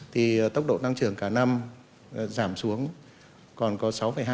thì tốc độ tăng trưởng cả năm giảm xuống còn có sáu hai mươi bảy